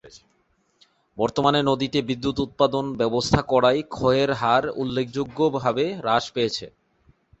বর্তমানে নদীতে বিদ্যুৎ উৎপাদন ব্যবস্থা করায় ক্ষয়ের হার উল্লেখযোগ্যভাবে হ্রাস পেয়েছে।